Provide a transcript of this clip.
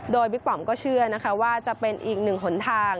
โดยบิ๊กปอมก็เชื่อนะคะว่าจะเป็นอีกหนึ่งหนทาง